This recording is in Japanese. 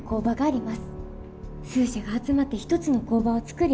数社が集まって一つの工場を作り